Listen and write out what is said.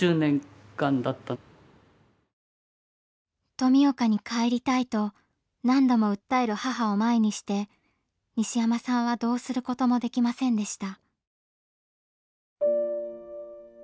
「富岡に帰りたい」と何度も訴える母を前にして西山さんはどうすることもできませんでした。